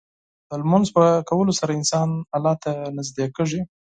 د لمونځ په کولو سره انسان الله ته نږدې کېږي.